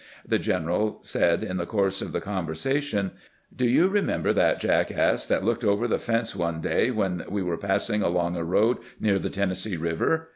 The general said in the course of the conversation :" Do you remember that jackass that looked over the fence one day when we were passing along a road near the Tennessee Eiver